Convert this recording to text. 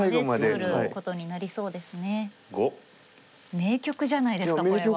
名局じゃないですかこれは。